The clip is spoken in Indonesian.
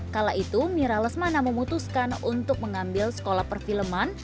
kala itu mira lesmana memutuskan untuk mengambil sekolah perfilman